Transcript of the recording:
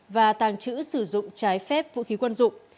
và tàng trữ sử dụng trái phép vũ khí quân dụng